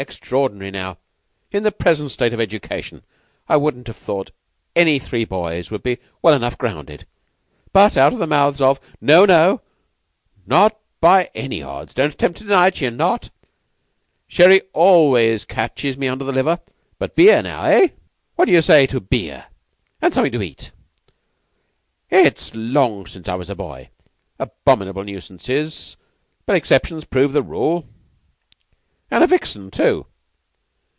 Extraordinary, now! In the present state of education I shouldn't have thought any three boys would be well enough grounded. But out of the mouths of No no! Not that by any odds. Don't attempt to deny it. Ye're not! Sherry always catches me under the liver, but beer, now? Eh? What d'you say to beer, and something to eat? It's long since I was a boy abominable nuisances; but exceptions prove the rule. And a vixen, too!"